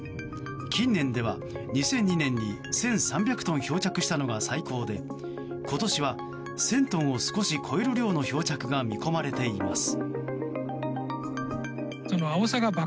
近年では２００２年に１３００トン漂着したのが最高で今年は１０００トンを少し超える量の漂着が見込まれています。